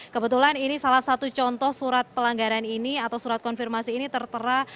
kebetulan ini salah satu contoh surat pelanggaran ini atau surat konfirmasi ini tertera